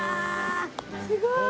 すごい。